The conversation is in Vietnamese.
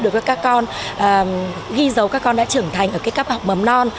đối với các con ghi dấu các con đã trưởng thành ở các học mầm non